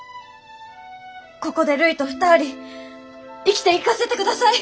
ここでるいと２人生きていかせてください！